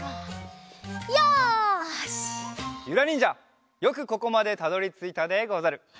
ゆらにんじゃよくここまでたどりついたでござる。